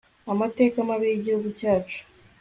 amateka mabi y'igihugu cyacu